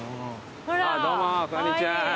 どうもこんにちは。